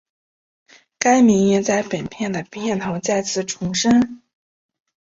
该名言在本片的片头再次重申。